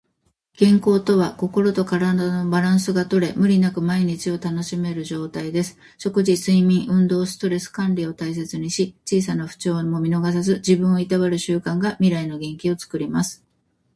健康とは、心と体のバランスがとれ、無理なく毎日を楽しめる状態です。食事、睡眠、運動、ストレス管理を大切にし、小さな不調も見逃さず、自分をいたわる習慣が未来の元気をつくります。笑顔も栄養です。毎日少しずつ。